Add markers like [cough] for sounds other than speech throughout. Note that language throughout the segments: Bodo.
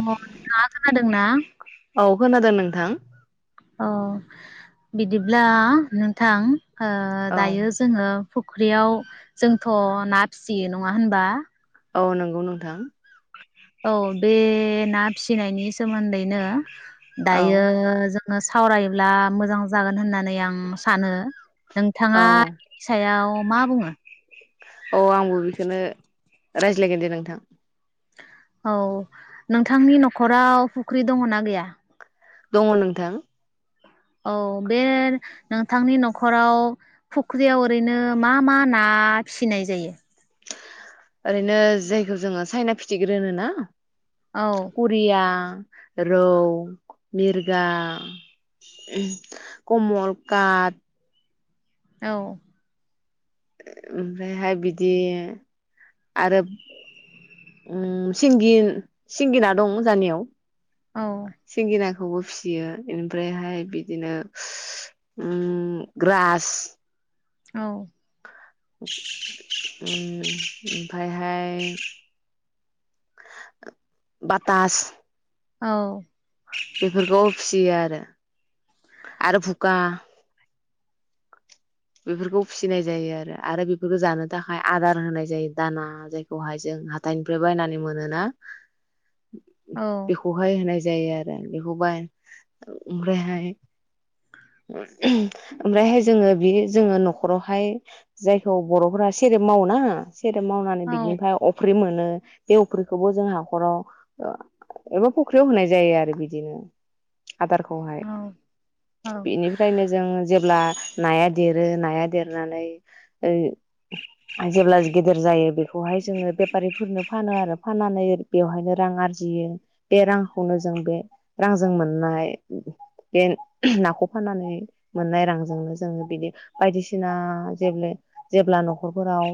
अ नोंथाङा खोनादोंना? औ [unintelligible] औ बिदिब्ला नोंथां ओ औ दायो जोङो। फुख्रियाव जोंथ ना फिसियो नङा होनबा। औ नंगौ नोंथां। औ बे फिसिनायनि सोमोन्दैनो औ दायो जों सावरायोब्ला मोजां जागोन होननानै आं सानो औ नोंथाङा सायाव। मा बुङो। औ आंबो बेखौनो रायज्लायगोन दे नोंथां औ नोंथांनि न'खराव फुख्रि दङना गैया दङ नोंथां। औ बे नोंथांनि नखराव फुख्रियाव ओरैनो मा मा ना फिसिनाय जायो? ओरैनो जायखौ जोङो साइना फिथिग्रि होनोना करिया रौ, मिरगा ओहोम कमल कात। औ ओमफ्रायहाय बिदि आरो ओम सिंगि सिंगिना दं जानियाव। औ सिंगिना बेखौबो फिसियो बेनिफ्रायहाय बिदिनो ओम ग्रास औ ओमफ्रायहाय बाथास। औ। बेफोरखौ फियो आरो आरो भुखा बेफोरखौ फिसिनाय जायो आरो आरो बेफोरखौ जानो थाखाय आदार होनाय जायो दाना जायखौहाय जों हाथाइनिफ्राय बायनानै मोनोना औ बेखौहाय होनाय जायो आरो बेखौबो ओमफ्रायहाय ओमफ्रायहाय जोङो बे जोङो न'खरावहाय जायखौ बर'फोरा सेरेब मावो ना सेर मावनानै औ बिदिनिफाय अफ्रि मोनो बे अफ्रिखौबो जों हाखराव एबा फुख्रियाव होनाय जायो आरो बिदिनो । आदारखौहाय औ औ बेनिफ्रायनो जों जेब्ला नाया दे देरो नाया देरनानै ओइ जेब्ला गेदेर जायो बेखौहाय जोङो बेफारिफोरनो फानो आरो फाननानै बेवहायनो रां आरजियो बे रांखौनो जों बे रांजों मोननाय बे नाखौ फाननानै मोननाय रांजोंनो जोङो बिदि बायदिसिना जे-जेब्ला न'खरफोराव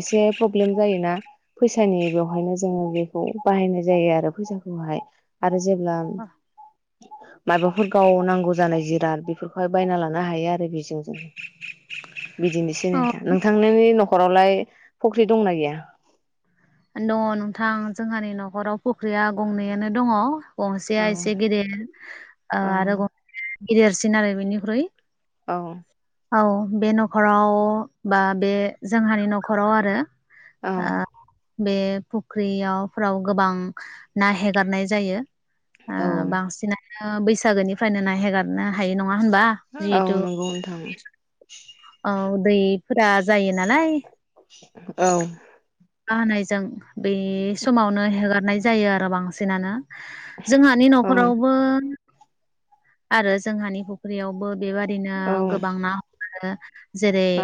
एसे प्रब्लेम जायोना फैसानि बेवहायनो जोङो बेखौ बाहायनाय जायो आरो फैसाखौहाय । जेब्ला माबाफोर गावनांगौ गौ जानाय जिराद बेफोरखौहाय बायना लानो हायो आरो बेजों । बिदिनोसै औ नोंथा नोंथांनि न'खरावलाय फख ख्रि दंना गैया? दङ नोंथां जोंहानि न'खराव। फुख्रिया गंनैयानो दङ । गंसेया औ इसे गिदिर ओ औ आरो गंसे गिदेरसिन आरो बेनिख्रुइ औ। औ बे न'खराव बा बे जोंहानि न'खराव आरो। औ आ बे फुख्रियावफ्राव गोबां ना हेगारनाय जायो । औ ओ बांसिना बैसागोनिफ्रायनो ना हगारनो हायो नङा नङा होनबा जिहेथु उम। औ उदैफोरा जायो नालाय । औ अखा हानायजों बे समावनो हेगार नाय जायो आरो बांसिनानो । जोंहानि औ न'खरावबो आरो जोंहानि फुख्रियावबो बेबादिनो औ गोबां ना [unintelligible] जेरै औ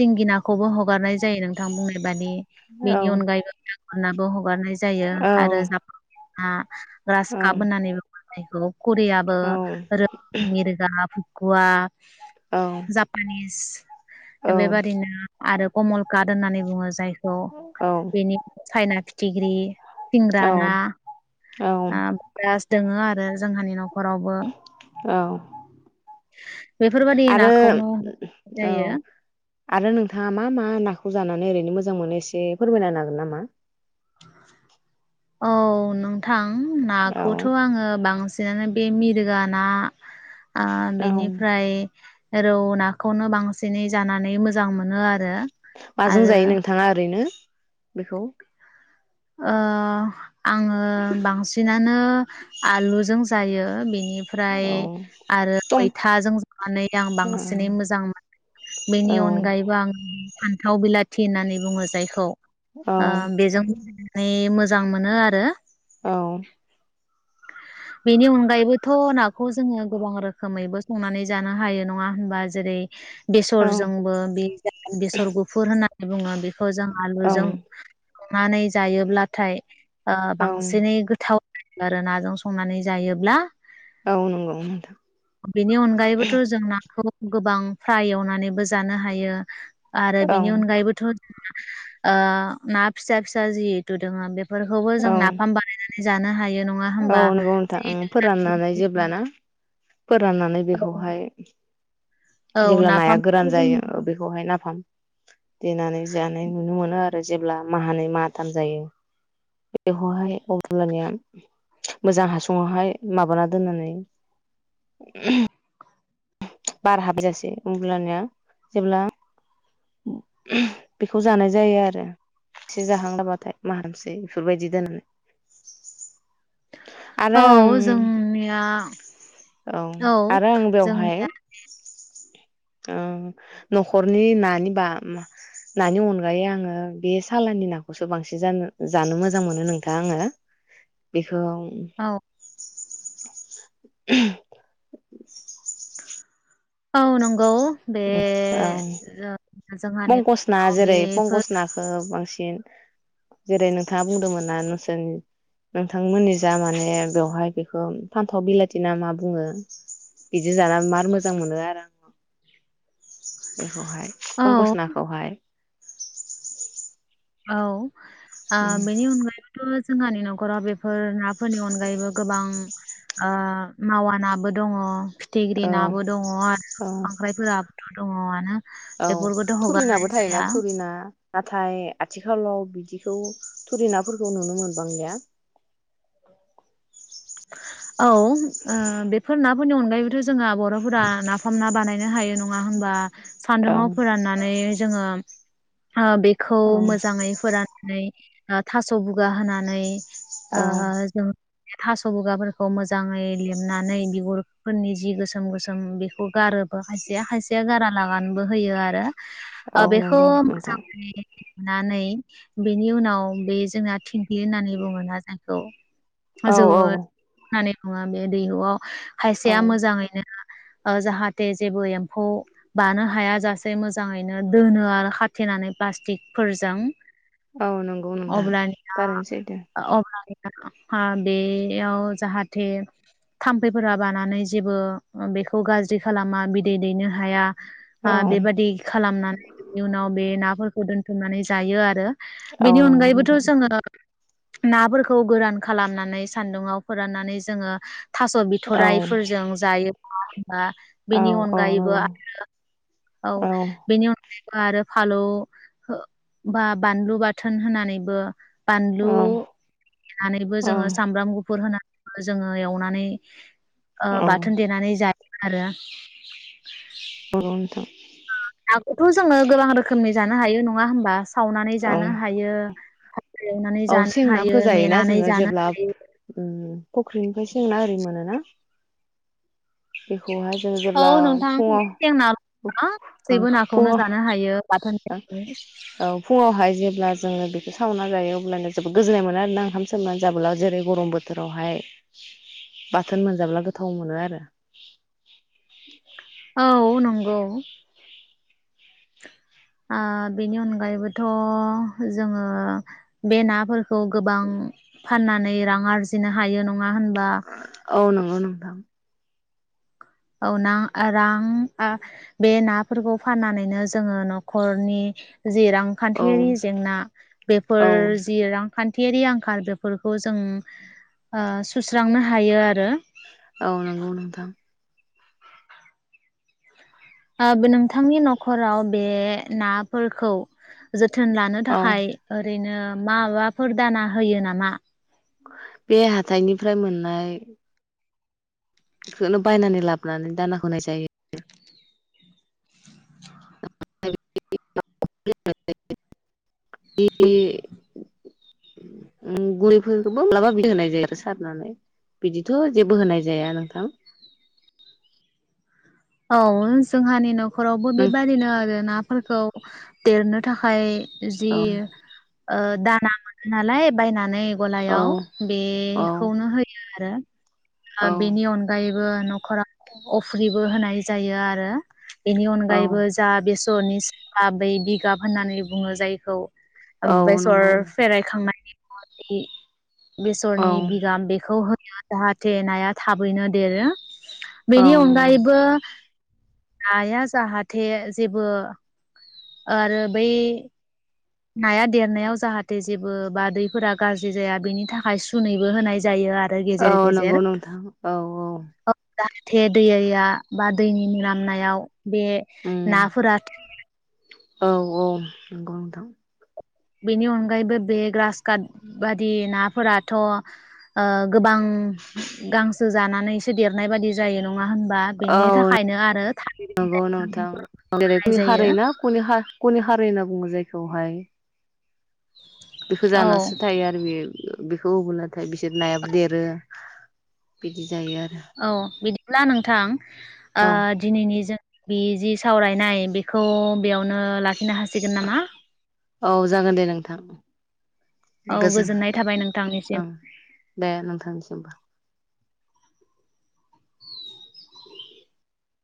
सिंगिनाखौबो हगारनाय जायो नोंथां बुंनाय मानि औ बेनि अनगायैबो नाबो हगारनाय जायो आरो जा आ रासखाप होन्नानै [unintelligible] औ । कुरियाबो औ [unintelligible] गवा जापानिस [inaudible] बेबारदिनो आरो कमल काट होननानै बुङो जाय औ बेनि साइना, फिथिख्रि सिंग्रा ना औ [unintelligible] दोङो आरो जोंहानि न'खरावबो । औ बेफोरबायदि आरो नाखौनो औ जायो आरो नोंथाङा मा मा नाखौ जानानै ओैरैनो मोजांमोनो एसे फोरमायना होनो हागोन नामा? औ नोंथां औ नाखौथ' आङो बांसिन [unintelligible] बे मिरगा ना आ औ बेनिफ्राय रौ नाखौनो बांसिनै जानानै मोजां मोनो आरो । माजों जायो नोंथाङा ओरैनो? बेखौ? ओ आङो बांसिनानो आलुजों जायो । बेनि बेनिफ्राय औ आरो सम मैथाजों संनानै आं बांसिनै मोजां मोनो औ बेनि औ अनगायैबो आं फान्थाव बिलाथि होननानै बुङो जायखौ औ आ बेजों नै मोजां मोनो आरो औ। बेनि अनगायैबोथ' नाखौ जोङो गोबां रोखोमैबो संनानै जानो हायो नङा होनबा जेरै- औ बेसरजोंबो बे बेसर गुफुर होननानै बुङो बेखौ जों औ आलुजों संनानै जायोब्लाथाय ओ औ बांसिनै गोथाव आरो नाजों सं संनानै जायोब्ला औ नंगौ नोंथां बेनि अनगायैबोथ' जों नाखौ गोबां फ्राय एवनानैबो जानो हायो। आरो बिनि औ अनगायैबोथ' ओ ना फिसा फिसा जिहेतु दङा बे फोरखौबो औ जों नाफाम बानायनानै जानो हायो। नङा औ होमबा? नंगौ नोंथां ओ फोराननानै जेब्लाना फोराननानै बेखौहाय औ जेब्ला नाया नाफामखौ गोरान जों जायो बेखौहाय नाफाम देनानै जानाय नुनो मोनो आरो जेब्ला माहानै माथाम जायो बेखौहाय अब्लानिया मोजां हासुङावहाय माबाना दोननानै। बार हाबैजासे अब्लनिया जेब्ला बेखौ जानाय जायो आरो एसे जाहांबाथाय माहासे बेफोरबायदि दोननानै आरो औ आं जोंनिया औ आरो आं बेवहाय जोंनिया ओ नख'रनि नानि बामा नानि अनगायै आङो बे सालानि नाखौसो बांसिन जानो जानो मोजां मोनो नोंथां आङो। औ [unintelligible] [inaudible] औ नंगौ। बे औ जों जोंहानि मंगस ना न'खराव जेरै बेफोर पंगस नाखौ बांसिन। [unintelligible] जेरै नोंथाङा बुंदोंमोना नोंसोरनि नोंथांमोननि जा माने बेवहाय बेखौ फान्थाव बिलाथि ना मा बुङो बिदि जाना मार मोजां मोनो आरो आङो। बेखौहाय औ पंकस नाखौहाय। औ। आ उम बेनि अनगायैबोथ। जोंहानि नख'राव बेफोर ना फोरनि अनगायैबो गोबां ओ मावा नाबो दङ। फिथिग्रि औ नाबो दङ आरो औ खांख्राइफोराबोथ दङआनो औ बेफोरखौथ हगारनाय थुरिनाबो थायोना जाया। थुरिना नाथाय आथिखालाव बिदिखौ थुरि नाफोरखौ नुनो मोनबांलिया। औ ओ बेफोर नाफोरनि अनगायैबोथ जोंहा बरफोरा नाफाम ना बानाय नो हायो नङा होमबा औ सान्दुंआव फोराननानै जोङो ओ बेखौ औ मोजाङै फोराननानै थास' बुगा होनानै ओ औ जों थास बुगाफोरखौ मोजाङै लेमनानै बिगुरफोरनि जि गोसोम गोसोम बेखौ गारो ओ खायसेया खायसेया गारा लागानबो होयो आरो आ औ बेखौ नंगौ नोंथां मोजांङै नानै बेनि उनाव बे जोंआ थिं बियो होननानै बुङो ना जों। औ औ औ [unintelligible] मङा बे दैहुआव औ खायसेया मोजाङैनो जाहाथे जेबो एम्फौ बानो हायाजसे मोजाङैनो दोनो आरो खाथेनानै प्लास्टिकफोरजों। औ नंगौ नोंथां थारैनो सैथो। [unintelligible] ओ बेयाव जाहाथे थाम्फैफोरा बानानै जेबो बेखौ गाज्रि खालामा बिदै दैनो हाया ओ औ बेबादि खालामनानै बेनि उनाव बे नाफोर खौ दोनथुमनानै जायो आरो औ बेनि नंगौ अनगायैबोथ नोंथां जोंङो नाफोरखौ गोरान खालामनानै सान्दुङाव फोराननानै जोङो थास' औ बिथ'राइफोरजों जायो। [unintelligible] बा औ बेनि औ अनगायैबो नंगौ आरो औ बेनि अन [inaudible] आरो फालौ बा बानलु बाथोन होनानैबो बानलु औ हायबो जोङो औ सामब्राम गु फुर होनानैबो जोङो एवनानै ओ बाथोन देनानै जायो। आरो नंगौ नोंथां। नाखौथ' जोङो गोबां रोखोमनि जानो हायो नङा होनबा। सावनानै औ जानो हायो। एवनानै औ जानो हायो सेंनाफोर जायोना मेनानै जोङो जानो जेब्ला हायो उम फुख्रिनिफ्राय सेंना आरि मोनोना। बेखौहाय जोङो औ जेब्ला नोंथां बे फुङाव सें ना ओ गासैबो नाखौनो फुङाव जानो हायो बाथोन देनानै। औ फुङावहाय जेब्ला जोङो बेखौ सावना जायो। अल्बानिया जोबोद गोजोननाय मोनो आरो ना ओंखाम सोमनानै जाब्ला जेरै गरम बोथोरावहाय बाथोन मोनजाब्ला गोथाव मोनो आरो। औ। ओ बेनि अनगायैबोथ' जोङो बे नाफोर खौ गोबां फाननानै रां आरजिनो हायो न नङा होनबा दां। औ ना रां आं बे नाफोरखौ फाननानैनो जोङो न'खरनि जि औ रांखान्थियारि जेंना बेफोर औ जि रां खान्थियारि आंखाल बेफोरखौ जों ओ सुस्रांनो हायो आरो औ नंगौ नोंथां। ओ नोंथांनि न'खराव बे नाफोरखौ जोथोन लानो औ थाखाय ओरैनो मा माबाफोर दाना होयो नामा? बे हाथाइनिफ्राय मोननाय बेखौनो बायनानै लाबोनानै दाना होनाय जायो। [unintelligible] ओम मुरैफोरखौबो माब्लाबा बिदि होनाय जायो आरो सारनानै बिदिथ' जेबो होनाय जाया नोंथां। औ जोंहानि नख न'खरावबो नों बेबादिनो आरोना फोरखौ देरनो थाखाय जि औ ओ दाना मोनो नालाय बायनानै औ गलायाव औ बेखौनो होयो। आरो ओ बेनि औ अनगायै ओ नखराव अफ्रिबो होनाय जायो आरो। बेनि औ अनगायैबो जा बेस [unintelligible] बै बिगा होननानै बुङो जायखौ औ बेसर नंगौ फेरायखांनायनि [inaudible] औ बेसरनि बिगाम बेखौ हो जाहाथे नाया थाबैनो देरो। औ बेनि नंगौ अनगायैबो नाया जाहाथे जेबो आरो बै नाया देरनायाव जाहाथे जेबो बा दैफोरा गाज्रि जाया बेनि थाखाय सुनैबो होनाय जायो आर औ नंगौ गेजर-गेजेर नोंथां औ औ जाहाथे दैया बा दैनि मोनामनायाव बे उम नाफोरा थैयो औ औ नंगौ नोंथां। बेनि अनगायैबो बे ग्रास काट बादि नाफोराथ' ओ गोबां गांसो जानानैसो देरनाय बाददि जायो न औ थालिर नंगौ बिलाइ नोंथां होनाय [unintelligible] खुनि जायो खारैना खुनि खारै होनना बुङो जायखौहाय बेखौ औ जानासो थायो आरो बेयो बेखौ होबोलाथाय बिसोर नायाबो देरो बिदि जायो आरो औ बिदिब्ला नोंथां ओ औ दिनैनि जों बे जि सावरायनाय बेखौ बेयावनो लाखिनो हासिगोन नामा? औ जागोन दे नोंथां। औ गोजोन गोजोननाय थाबाय नोंथांनिसिम। ओं दे नोंथांनिसिमबो।